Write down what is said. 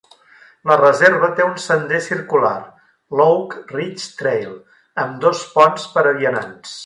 La reserva té un sender circular, l'Oak Ridge Trail, amb dos ponts per a vianants.